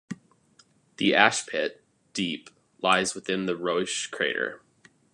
The Ash Pit, deep, lies within the Reusch Crater.